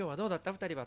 ２人は。